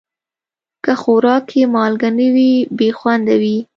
که خوراک کې مالګه نه وي، بې خوند وي.